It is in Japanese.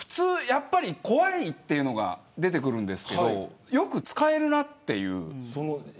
やっぱり怖いというのが出てくるんですけどよく使えるなっていう。